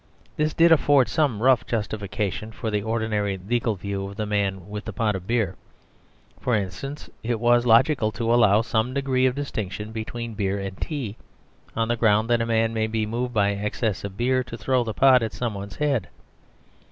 This did afford some rough justification for the ordinary legal view of the man with the pot of beer. For instance, it was logical to allow some degree of distinction between beer and tea, on the ground that a man may be moved by excess of beer to throw the pot at somebody's head.